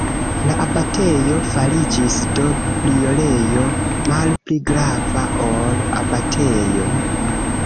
La abatejo fariĝis do priorejo, malpli grava ol abatejo.